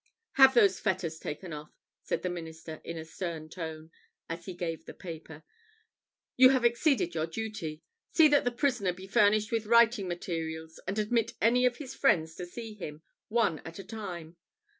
"Have those fetters taken off," said the minister, in a stern tone, as he gave the paper. "You have exceeded your duty. See that the prisoner be furnished with writing materials, and admit any of his friends to see him, one at a time.